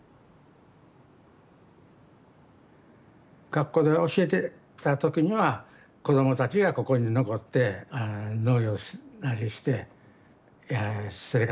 学校で教えてた時には子どもたちがここに残って農業なりして生活してほしいなゆう